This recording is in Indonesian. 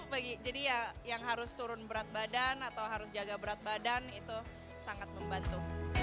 jadi yang harus turun berat badan atau harus jaga berat badan itu sangat membantu